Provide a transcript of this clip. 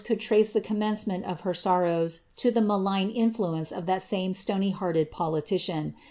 could trace the commencement of her sorrowi to the malign influence of that same stony hearted politician.